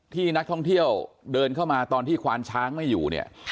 ที่นักท่องเที่ยวเดินเข้ามาตอนที่ควานช้างไม่อยู่เนี่ย